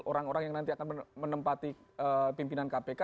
orang orang yang nanti akan menempati pimpinan kpk